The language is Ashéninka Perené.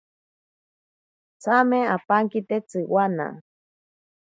Tsame apankite tsiwana.